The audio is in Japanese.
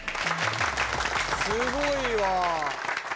すごいわ。